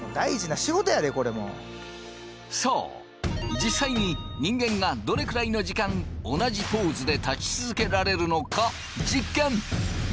実際に人間がどれくらいの時間同じポーズで立ち続けられるのか実験！